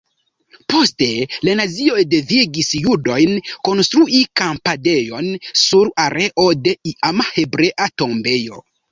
Poste la nazioj devigis judojn konstrui kampadejon sur areo de iama hebrea tombejo.